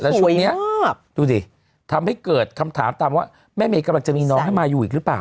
แล้วช่วงนี้ดูดิทำให้เกิดคำถามตามว่าแม่เมย์กำลังจะมีน้องให้มายูอีกหรือเปล่า